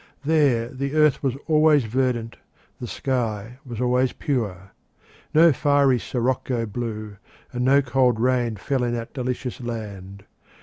There the earth was always verdant, the sky was always pure. No fiery sirocco blew, and no cold rain fell in that delicious land.